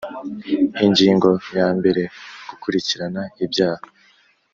Ingingo ya mbere Gukurikirana ibyaha